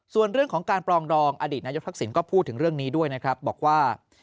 ส่วนเรื่องของการปรองดองอดีตนายกทักษิณก็พูดถึงเรื่องนี้ด้วยนะครับบอกว่า